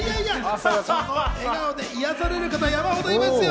笑顔で癒やされる方、山ほどいますよ。